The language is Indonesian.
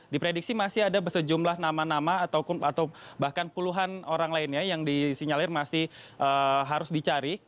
diprediksi masih ada sejumlah nama nama atau bahkan puluhan orang lainnya yang disinyalir masih harus dicari